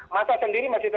massa sendiri masih terkumpul